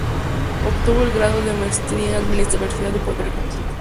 Obtuvo el grado de Maestría en Administración de la Universidad de Puerto Rico.